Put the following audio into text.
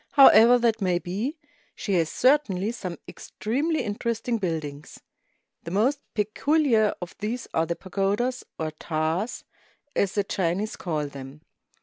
However that may be, she has certainly some extremely interesting buildings. The most peculiar of these are the pagodas, or taas, as the Chinese call them.